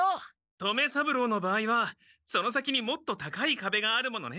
留三郎の場合はその先にもっと高いかべがあるものね。